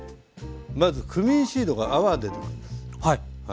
まずクミンシードが泡出てくるんです。